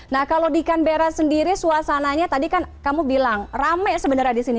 nah kalau di canberra sendiri suasananya tadi kan kamu bilang rame sebenarnya di sini